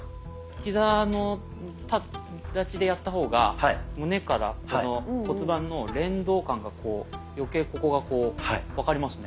ヒザ立ちでやった方が胸からこの骨盤の連動感がこう余計ここがこう分かりますね。